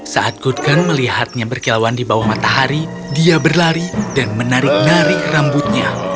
saat kutkan melihatnya berkilauan di bawah matahari dia berlari dan menarik narik rambutnya